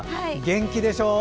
元気でしょう。